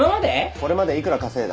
これまで幾ら稼いだ？